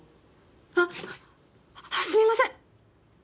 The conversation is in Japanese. あっすみません